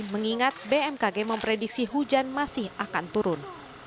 mengingat bmkg memprediksi hujan masih akan turun